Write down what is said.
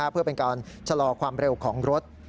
เพื่อเป็นการชะลอความเร็วของรถ